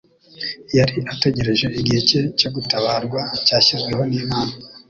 Yari ategereje igihe cye cyo gutabarwa cyashyizweho n'Imana.